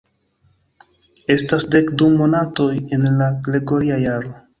Estas dek du monatoj en la gregoria jaro.